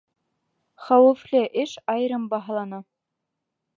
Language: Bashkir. Хәүефле эш айырым баһалана